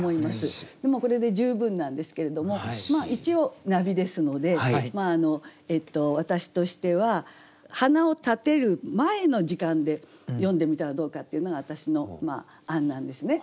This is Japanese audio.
これで十分なんですけれども一応ナビですので私としては花を立てる前の時間で詠んでみたらどうかっていうのが私の案なんですね。